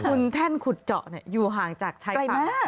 คุณแท่นขุดเจาะอยู่ห่างจากชายป่า